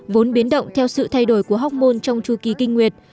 vốn biến động theo sự thay đổi của học môn trong chu kỳ kinh nguyệt